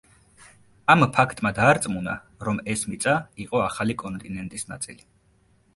ამ ფაქტმა დაარწმუნა, რომ ეს მიწა იყო ახალი კონტინენტის ნაწილი.